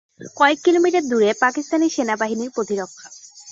কয়েক কিলোমিটার দূরে পাকিস্তানি সেনাবাহিনীর প্রতিরক্ষা।